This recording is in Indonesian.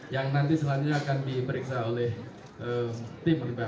yang nanti selanjutnya akan diperiksa oleh tim pribadi